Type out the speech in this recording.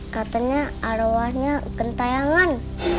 katanya arwahnya uken tayangan